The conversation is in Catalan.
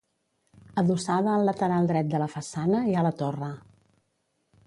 Adossada al lateral dret de la façana, hi ha la torre.